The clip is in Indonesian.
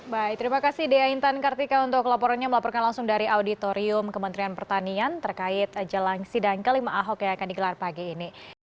baik terima kasih dea intan kartika untuk laporannya melaporkan langsung dari auditorium kementerian pertanian terkait jelang sidang kelima ahok yang akan digelar pagi ini